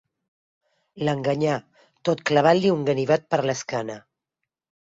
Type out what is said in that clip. L'enganyà tot clavant-li un ganivet per l'esquena.